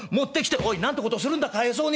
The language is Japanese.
「おいなんてことするんだかわいそうに。